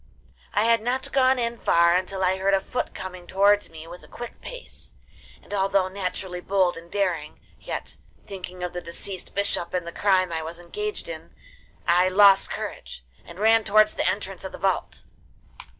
I had not gone in far until I heard a foot coming towards me with a quick pace, and although naturally bold and daring, yet, thinking of the deceased bishop and the crime I was engaged in, I lost courage, and ran towards the entrance of the vault.